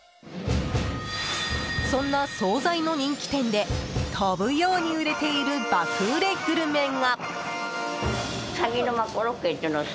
そんな総菜の人気店で飛ぶように売れている爆売れグルメが。